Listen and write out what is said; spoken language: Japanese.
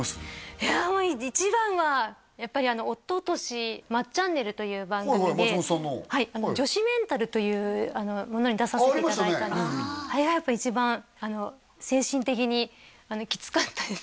いやもう一番はやっぱりおととし「まっちゃんねる」という番組ではいはい松本さんのはい「女子メンタル」というものに出させていただいたんですけどあれがやっぱ一番精神的にきつかったですね